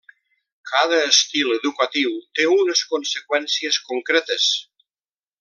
Cada estil educatiu té unes conseqüències concretes.